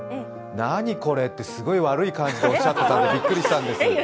何これ？ってすごい悪い感じでおっしゃってたんでビックリしたんですけど。